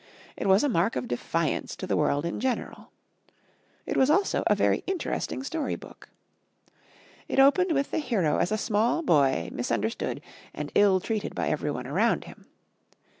It was a mark of defiance to the world in general. It was also a very interesting story book. It opened with the hero as a small boy misunderstood and ill treated by everyone around him.